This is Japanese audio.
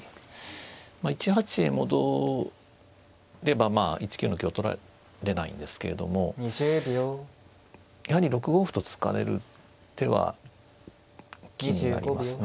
１八へ戻れば１九の香取られないんですけれどもやはり６五歩と突かれる手は気になりますね。